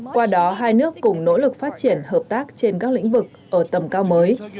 qua đó hai nước cùng nỗ lực phát triển hợp tác trên các lĩnh vực ở tầm cao mới